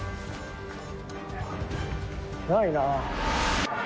ないな。